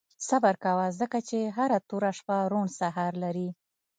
• صبر کوه، ځکه چې هره توره شپه روڼ سهار لري.